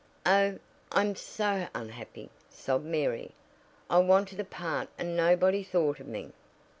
"Oh, I'm so unhappy!" sobbed Mary. "I wanted a part and nobody thought of me."